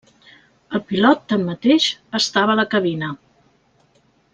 El pilot, tanmateix, estava a la cabina.